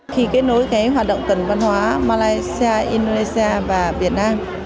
khi kết nối cái hoạt động tuần văn hóa malaysia indonesia và việt nam